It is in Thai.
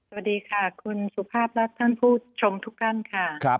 สวัสดีค่ะคุณสุภาพและท่านผู้ชมทุกท่านค่ะ